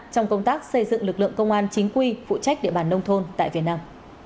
trong công tác xây dựng lực lượng công an chính quy phụ trách địa bàn nông thôn tại việt nam